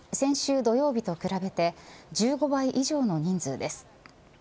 先週土曜日と比べて１５倍以上の人数です。